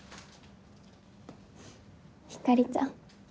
ひかりちゃん。